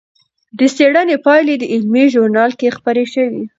د څېړنې پایلې د علمي ژورنال کې خپرې شوې.